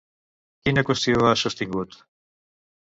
Quina qüestió ha sostingut?